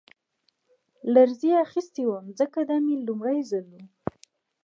لړزې اخیستی وم ځکه دا مې لومړی ځل و